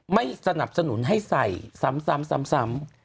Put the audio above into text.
ไม่สนับสนุนให้ใส่ซ้ำ